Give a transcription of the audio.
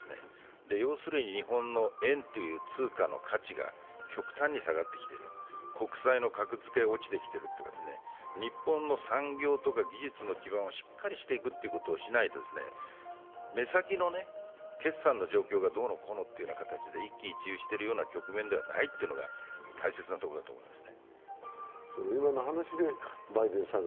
要するに日本の円という通貨の価値が極端に下がってきている国債の格付けが下がってきている、日本の産業とか技術の基盤をしっかりしていくことをしないと目先の決算の状況がどうのこうのという形で一喜一憂しているような局面ってはないというのが大切なところです。